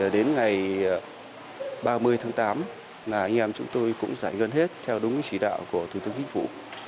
đến ngày ba mươi tháng tám anh em chúng tôi cũng giải ngân hết theo đúng chỉ đạo của thủ tướng chính phủ